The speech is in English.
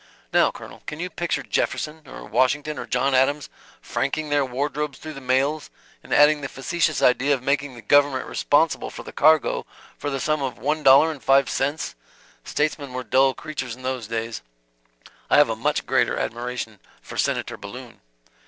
Now, Colonel, can you picture Jefferson, or Washington or John Adams franking their wardrobes through the mails and adding the facetious idea of making the government responsible for the cargo for the sum of one dollar and five cents? Statesmen were dull creatures in those days. I have a much greater admiration for Senator Balloon."